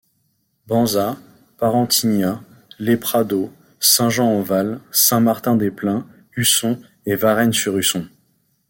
Bansat, Parentignat, Les Pradeaux, Saint-Jean-en-Val, Saint-Martin-des-Plains, Usson et Varennes-sur-Usson.